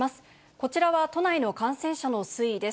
こちらは都内の感染者の推移です。